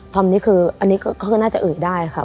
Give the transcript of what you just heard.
ธรรมนี้คืออันนี้ก็คือน่าจะเอ๋ยได้ค่ะ